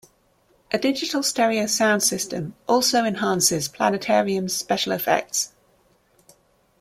A digital stereo sound system also enhances planetarium's special effects.